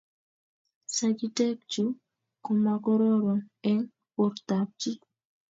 sagitek chu komagororon eng bortab chii